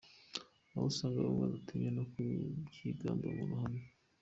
Aho usanga bamwe badatinya no kubyigamba mu ruhame.